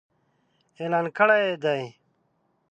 اعلان کړي يې دي.